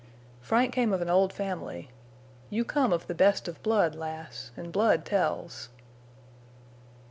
Frank came of an old family. You come of the best of blood, lass, and blood tells."